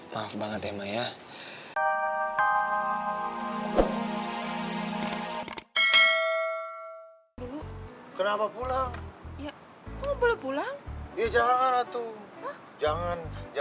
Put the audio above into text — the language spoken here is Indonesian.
maaf banget ya maya